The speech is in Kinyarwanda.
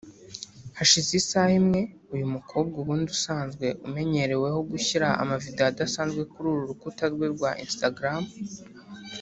Hashize isaha imwe uyu mukobwa ubundi usanzwe umenyereweho gushyira amavideo adasanzwe kuri uru rukuta rwe rwa Instagram